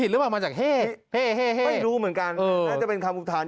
หรือเปล่ามาจากไม่รู้เหมือนกันน่าจะเป็นคำอุทาน